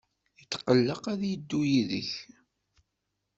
Yetqelleq ad yeddu yid-k.